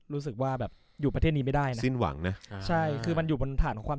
รู้สึกว่าแบบอยู่ประเทศนี้ไม่ได้นะ